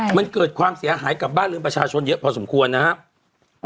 มันเกิดความเสียหายกับบ้านเรือนประชาชนเยอะพอสมควรนะครับ